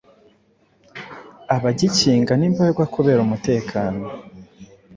Abagikinga nimbarwa kubera umutekano